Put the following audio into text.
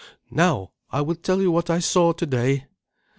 Now I will tell you what I saw today.